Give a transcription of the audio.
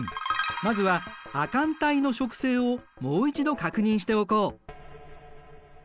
まずは亜寒帯の植生をもう一度確認しておこう。